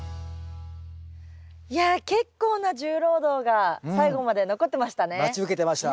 いや結構な重労働が最後まで残ってましたね。